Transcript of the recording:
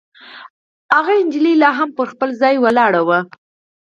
هغه نجلۍ لا هم پر خپل ځای ولاړه وه.